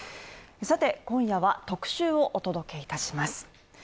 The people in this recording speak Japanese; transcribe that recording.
今夜は特集をお届けいたします。